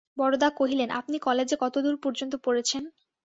বরদা কহিলেন, আপনি কলেজে কতদূর পর্যন্ত পড়েছেন?